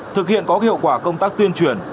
thực hiện có hiệu quả công tác tuyên truyền